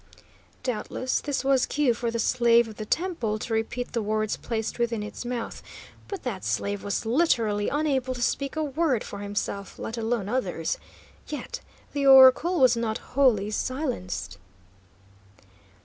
Doubtless this was cue for the slave of the temple to repeat the words placed within its mouth, but that slave was literally unable to speak a word for himself, let alone others. Yet, the oracle was not wholly silenced!